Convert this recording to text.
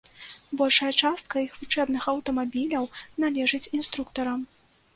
Большая частка іх вучэбных аўтамабіляў належыць інструктарам.